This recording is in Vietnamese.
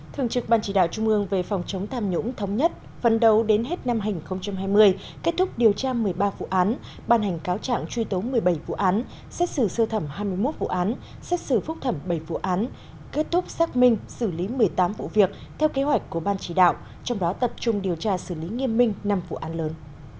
thường trực ban chỉ đạo trung ương về phòng chống tham nhũng thống nhất phần đầu đến hết năm hành hai mươi kết thúc điều tra một mươi ba vụ án ban hành cáo trạng truy tố một mươi bảy vụ án xét xử sơ thẩm hai mươi một vụ án xét xử phúc thẩm bảy vụ án kết thúc xác minh xử lý một mươi tám vụ việc theo kế hoạch của ban chỉ đạo trong đó tập trung điều tra xử lý nghiêm minh năm vụ án lớn